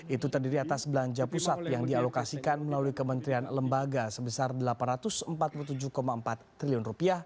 itu terdiri atas belanja pusat yang dialokasikan melalui kementerian lembaga sebesar rp delapan ratus empat puluh tujuh empat triliun